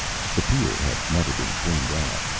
The pier had never been cleaned out.